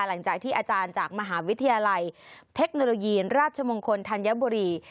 หลังจากที่อาจารย์จากมหาวิทยาลัยเทคโนโลยีราชมงคลธัญบุรี